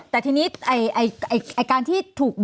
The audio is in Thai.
แต่ที่นี้